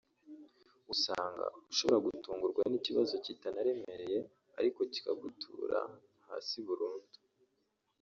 usanga ushobora gutungurwa n’ikibazo kitanaremereye ariko kikagutura hasi burundu